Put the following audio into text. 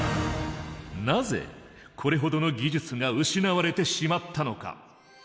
なぜこれほどの技術が失われてしまったのか。